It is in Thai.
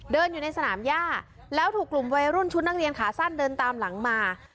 เดินอยู่ในสนามย่าแล้วถูกกลุ่มวัยรุ่นชุดนักเรียนขาสั้นเดินตามหลังมา